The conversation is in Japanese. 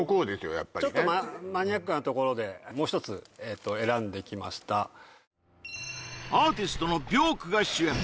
やっぱりねちょっとマニアックなところでもう一つ選んできましたアーティストのビョークが主演